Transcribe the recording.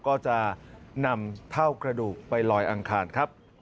ก็จะนำเท่ากระดูกไปลอยอังคารครับ